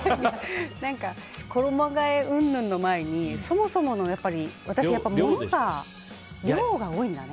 衣替えうんぬんの前にそもそもの私はやっぱり物の量が多いんだね。